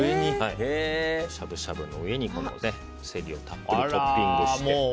しゃぶしゃぶの上にセリをたっぷりトッピングして。